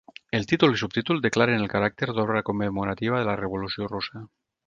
El títol i subtítol declaren el caràcter d'obra commemorativa de la Revolució Russa.